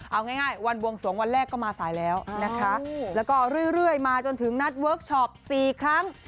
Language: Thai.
เอาง่ายวันบวงสวงวันแรกก็มาสายแล้วนะคะแล้วก็เรื่อยมาจนถึงนัดเวิร์คชอป๔ครั้ง